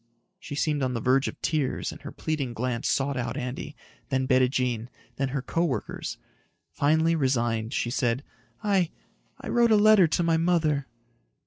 She seemed on the verge of tears and her pleading glance sought out Andy, then Bettijean, then her co workers. Finally, resigned, she said, "I ... I wrote a letter to my mother."